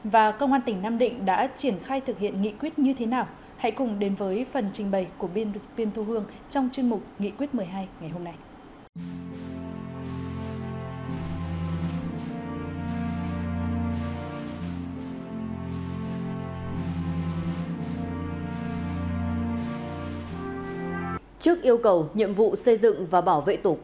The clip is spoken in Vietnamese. và công an tỉnh nam định đã triển khai thực hiện nghị quyết như thế nào hãy cùng đến với phần trình bày của biên thu hương trong chương mục nghị quyết một mươi hai ngày hôm nay